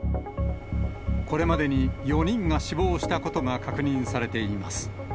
これまでに４人が死亡したことが確認されています。